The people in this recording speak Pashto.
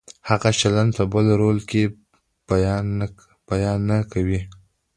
هغه چلند په بل رول کې بیا نه کوو.